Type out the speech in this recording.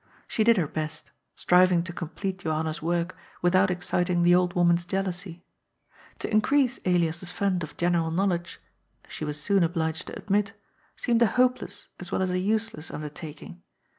She did her best, striving to complete Johanna's work, without exciting the old woman's jealousy. To increase Elias's fund of general knowledge, she was soon obliged to admit, seemed a hopeless as well as a useless undertaking.